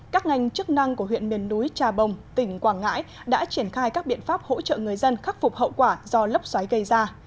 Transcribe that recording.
các ngành chức năng của huyện miền núi trà bồng tỉnh quảng ngãi đã triển khai các biện pháp hỗ trợ người dân khắc phục hậu quả do lốc xoáy gây ra